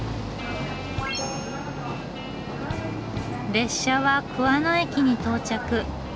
列車は桑野駅に到着。